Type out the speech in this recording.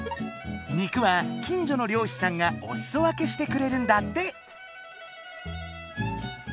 肉は近所の猟師さんがおすそ分けしてくれるんだって。